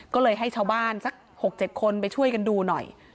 ก็เลยให้ชาวบ้านสัก๖๗คนไปช่วยกันดูหน่อย